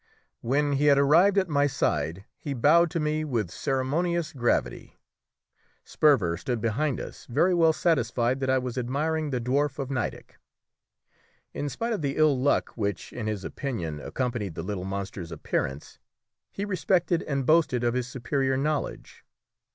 When he had arrived at my side he bowed to me with ceremonious gravity. Sperver stood behind us, very well satisfied that I was admiring the dwarf of Nideck. In spite of the ill luck which, in his opinion, accompanied the little monster's appearance, he respected and boasted of his superior knowledge.